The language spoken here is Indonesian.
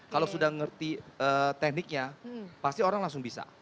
kalau sudah ngerti tekniknya pasti orang langsung bisa